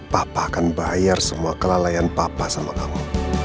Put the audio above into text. papa akan bayar semua kelalaian papa sama kamu